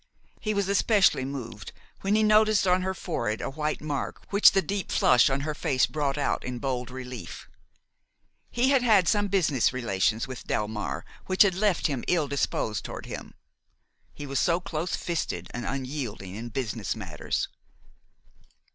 He was especially moved when he noticed on her forehead a white mark which the deep flush on her face brought out in bold relief. He had had some business relations with Delmare which had left him ill disposed toward him; he was so close fisted and unyielding in business matters.